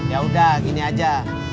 yaudah gini aja